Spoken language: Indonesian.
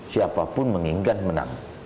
siapapun mengingat menang